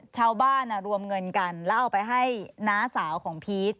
รวมเงินกันแล้วเอาไปให้น้าสาวของพีช